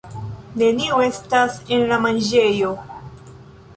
Neniu estas en la manĝejo.